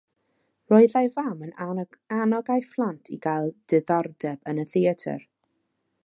Roedd ei fam yn annog ei phlant i gael diddordeb yn y theatr.